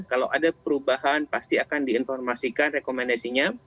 kalau ada perubahan pasti akan diinformasikan rekomendasinya